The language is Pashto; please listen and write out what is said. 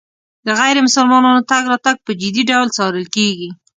د غیر مسلمانانو تګ راتګ په جدي ډول څارل کېږي.